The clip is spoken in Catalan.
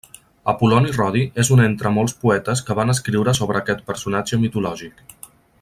Apol·loni Rodi és un entre molts poetes que van escriure sobre aquest personatge mitològic.